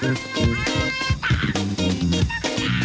ข้าวใส่ไทยสอบกว่าใครใหม่กว่าเดิมค่อยเมื่อล่า